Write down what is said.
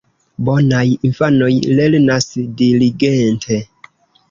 Bonaj infanoj lernas diligente.